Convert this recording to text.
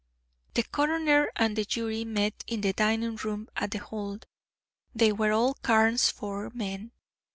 The coroner and jury met in the dining room at The Hold; they were all Carnesford men.